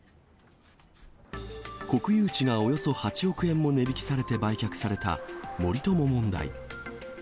国有地がおよそ８億円も値引きされて売却された森友問題。